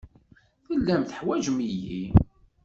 Tellam teḥwajem-iyi.